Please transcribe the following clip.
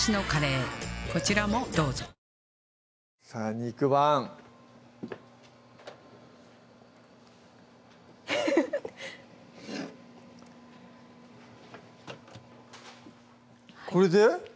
肉まんこれで？